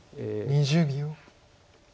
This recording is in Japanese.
２０秒。